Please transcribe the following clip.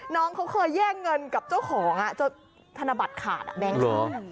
น้องเคยแยกเงินกับเจ้าของจนธนบัตรขาดแบงค์ขาด